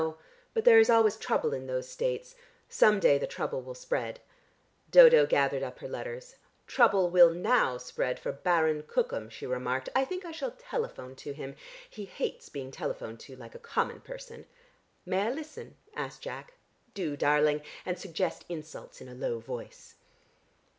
But there is always trouble in those states. Some day the trouble will spread." Dodo gathered up her letters. "Trouble will now spread for Baron Cookham," she remarked. "I think I shall telephone to him. He hates being telephoned to like a common person." "May I listen?" asked Jack. "Do, darling, and suggest insults in a low voice."